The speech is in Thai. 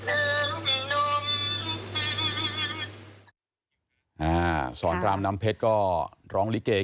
สอนรามน้ำเพชรก็ร้องลิเก